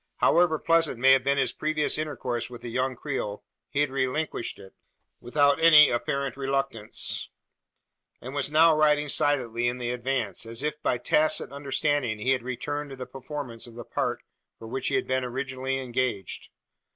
However pleasant may have been his previous intercourse with the young Creole, he had relinquished it, without any apparent reluctance; and was now riding silently in the advance, as if by tacit understanding he had returned to the performance of the part for which he had been originally engaged.